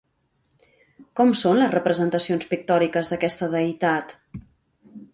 Com són les representacions pictòriques d'aquesta deïtat?